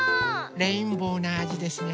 レインボーなあじですね。